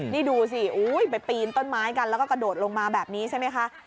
นี่ดูสิไปปีนต้นไม้กันแล้วก็กระโดดลงมาแบบนี้ใช่ไหมคะ